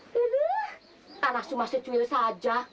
ini tanah cuma secuil saja